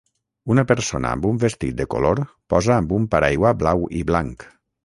Una persona amb un vestit de color posa amb un paraigua blau i blanc.